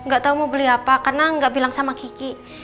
gak tau mau beli apa karena nggak bilang sama kiki